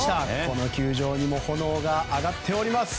この球場にも炎が上がっています。